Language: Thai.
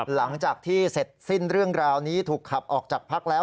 หลังจากที่เสร็จสิ้นเรื่องราวนี้ถูกขับออกจากพักแล้ว